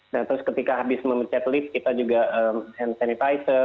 nah terus ketika habis memecat lift kita juga hand sanitizer